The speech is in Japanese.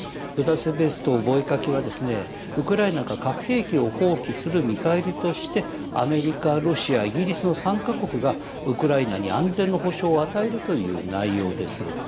ブダペスト覚書はですねウクライナが核兵器を放棄する見返りとしてアメリカロシアイギリスの３か国がウクライナに安全の保障を与えるという内容です。